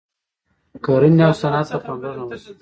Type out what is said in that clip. کرنې او صنعت ته پاملرنه وشوه.